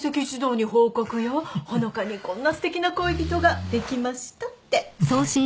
穂香にこんなすてきな恋人ができましたって。